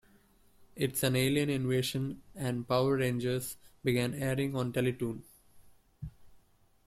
It's An Alien Invasion" and "Power Rangers", began airing on Teletoon.